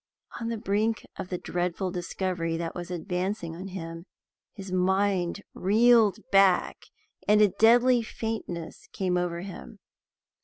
On the brink of the dreadful discovery that was advancing on him, his mind reeled back, and a deadly faintness came over him.